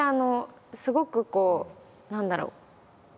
すごくこう何だろう